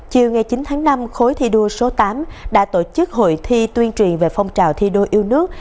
chiều ngày chín tháng năm khối thi đua số tám đã tổ chức hội thi tuyên truyền về phong trào thi đua yêu nước